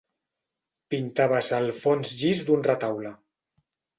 Pintaves el fons llis d'un retaule.